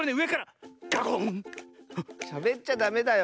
しゃべっちゃダメだよ。